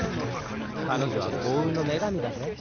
彼女は幸運の女神だぜ。